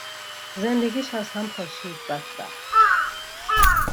زندگیش از هم پاشید بدبخت.